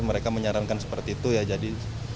mereka menyarankan seperti itu ya jadi